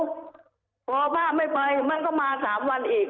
พอป้าไม่ไปมันก็มา๓วันอีก